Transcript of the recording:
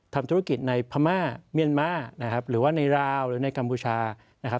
ทำธุรกิจในพม่าเมียนม่าหรือว่าในราวหรือในกัมพูชา